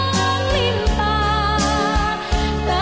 kasih yang kekal selamanya